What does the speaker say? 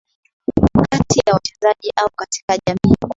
kati ya wachezaji au katika jamii